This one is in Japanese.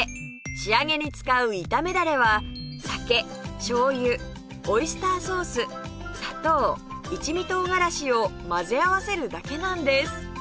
仕上げに使う炒めダレは酒醤油オイスターソース砂糖一味唐辛子を混ぜ合わせるだけなんです